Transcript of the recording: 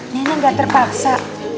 nenek gak terpaksa